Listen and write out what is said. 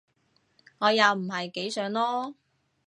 我又唔係幾想囉